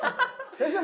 先生